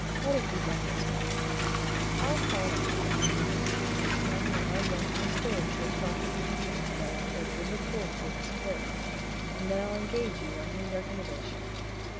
Let it be done this way: I'll call on Mr. Lindsey myself, and tell him I'm wanting a steward for the property, and that I've heard good reports of his clerk, and that I'll engage you on his recommendation.